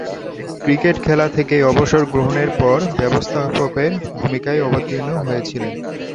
Cricket খেলা থেকে অবসর গ্রহণের পর ব্যবস্থাপকের ভূমিকায় অবতীর্ণ হয়েছিলেন।